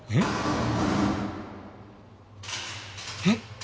えっ？